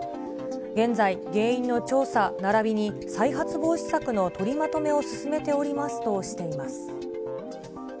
現在、原因の調査ならびに再発防止策の取りまとめを進めておりますとしています。